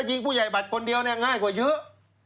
ถ้ายิงผู้ใหญ่บัดคนเดียวง่ายกว่าเยอะ